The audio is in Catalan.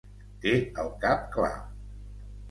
Té el cap clar.